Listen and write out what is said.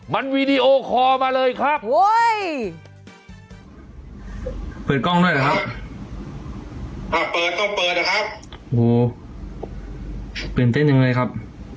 เปิดกล้องด้วยหรือครับ